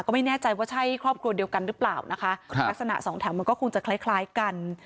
ก็ไม่แน่ใจว่าใช่ครอบครัวเดียวกันหรือเปล่านะคะครับลักษณะสองแถวมันก็คงจะคล้ายคล้ายกัน